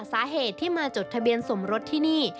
สาเหตุที่มาจดทะเบียนสมรสที่นี่